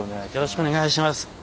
よろしくお願いします。